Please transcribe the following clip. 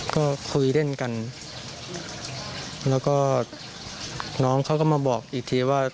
ก็คุยเล่นกันแล้วก็น้องเขาก็มาบอกอีกทีว่า